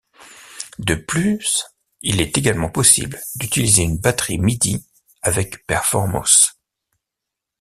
De plus il est également possible d'utiliser une batterie midi avec Performous.